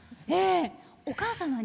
お母様に？